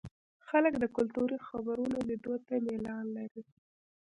خلک د کلتوري خپرونو لیدو ته میلان لري.